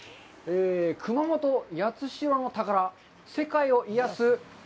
熊本八代の宝、世界を癒やす。